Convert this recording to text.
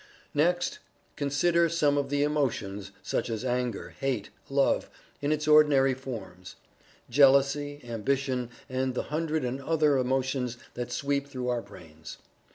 Next, consider some of the emotions, such as anger; hate; love, in its ordinary forms; jealousy; ambition; and the hundred and one other emotions that sweep through our brains.